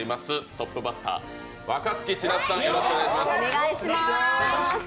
トップバッター、若槻千夏さん、お願いします。